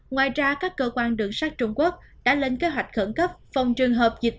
ngoài ra các cơ quan đường sát trung quốc đã lên kế hoạch khẩn cấp phòng trường hợp dịch